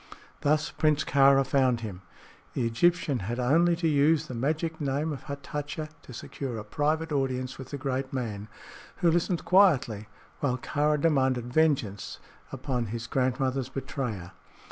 Thus Prince Kāra found him. The Egyptian had only to use the magic name of Hatatcha to secure a private audience with the great man, who listened quietly while Kāra demanded vengeance upon his grandmother's betrayer.